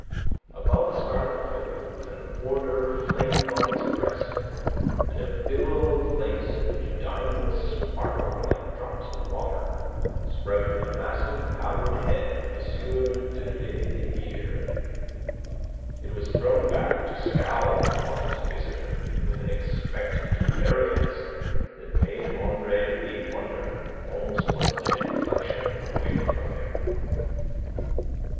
Above a scarlet coat with an order flaming on its breast, and a billow of lace in which diamonds sparkled like drops of water, sprouted the massive powdered head of M. de Lesdiguieres. It was thrown back to scowl upon this visitor with an expectant arrogance that made Andre Louis wonder almost was a genuflexion awaited from him.